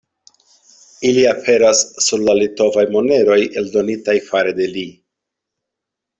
Ili aperas sur la litovaj moneroj eldonitaj fare de li.